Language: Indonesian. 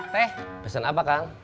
teh pesen apa kang